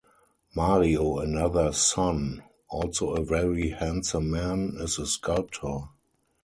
Mario, another son, also a very handsome man, is a sculptor.